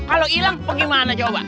kalau hilang pergi mana coba